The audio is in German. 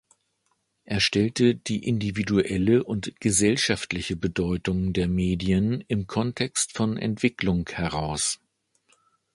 Er stellte die individuelle und gesellschaftliche Bedeutung der Medien im Kontext von Entwicklung heraus.